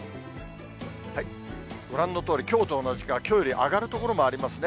ご覧のとおり、きょうと同じか、きょうより上がる所もありますね。